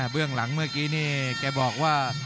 เรื่องหลังเมื่อกี้นี่แกบอกว่า